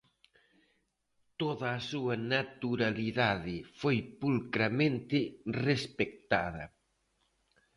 Toda a súa naturalidade foi pulcramente respectada.